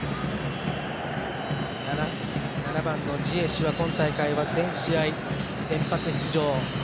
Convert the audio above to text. ７番、ジエシュは今大会は全試合、先発出場。